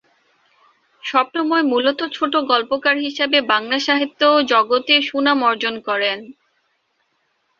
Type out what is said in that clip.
স্বপ্নময় মূলত ছোটগল্পকার হিসেবে বাংলা সাহিত্য জগতে সুনাম অর্জন করেন।